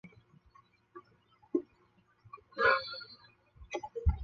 贾公彦人。